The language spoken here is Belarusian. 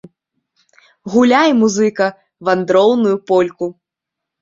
Гуляй, музыка, вандроўную польку!